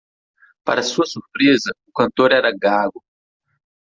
Para sua surpresa, o cantor era gago